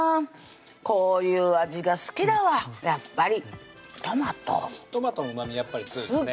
こういう味が好きだわやっぱりトマトトマトのうまみやっぱり強いですね